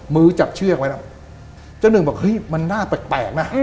มือจับเชือกไว้แล้วเจ้านึงบอกเฮ้ยมันหน้าแปลกแปลกน่ะอืม